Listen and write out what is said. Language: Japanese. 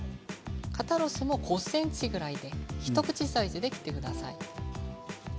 肩ロースも５ｃｍぐらいで一口サイズに切ってください。